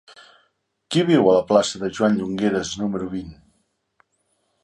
Qui viu a la plaça de Joan Llongueras número vint?